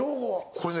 これね